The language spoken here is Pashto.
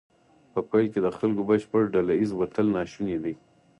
په پیل کې د خلکو بشپړ ډله ایز وتل ناشونی دی.